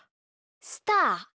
スター？